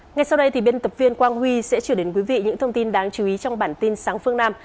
ngay sau đây biên tập viên quang huy sẽ trở đến quý vị những thông tin đáng chú ý trong bản tin sáng phương nam